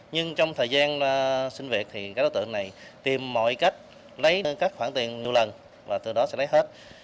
nhưng trong thời gian sinh việc thì các đối tượng này tìm mọi cách lấy các khoản tiền nhiều lần và từ đó sẽ lấy hết